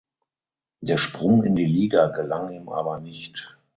Der Sprung in die Liga gelang ihm aber nicht.